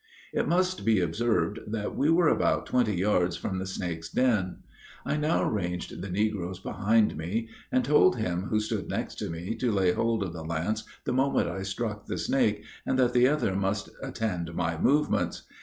It must be observed that we were about twenty yards from the snake's den. I now ranged the negroes behind me, and told him who stood next to me, to lay hold of the lance the moment I struck the snake, and that the other must attend my movements.